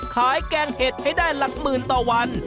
แกงเห็ดให้ได้หลักหมื่นต่อวัน